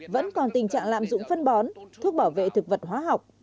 vẫn còn tình trạng lạm dụng phân bón thuốc bảo vệ thực vật hóa học